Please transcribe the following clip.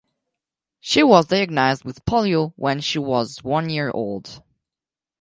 She was diagnosed with polio when she was one year old.